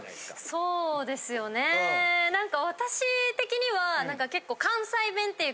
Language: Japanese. そうですよね何か私的には結構。